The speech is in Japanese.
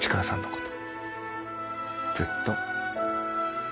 ずっと。